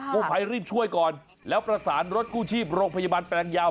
ผู้ภัยรีบช่วยก่อนแล้วประสานรถกู้ชีพโรงพยาบาลแปลงยาว